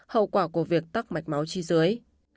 hậu quả của việc tắt mạch máu chi dưới